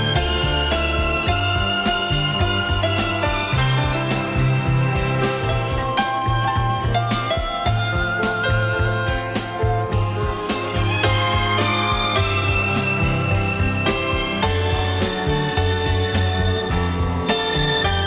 hẹn gặp lại